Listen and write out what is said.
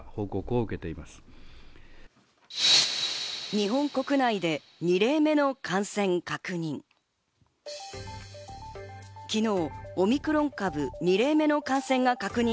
日本国内で２例目の感染確認。